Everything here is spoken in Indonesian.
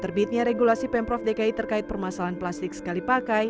terbitnya regulasi pemprov dki terkait permasalahan plastik sekali pakai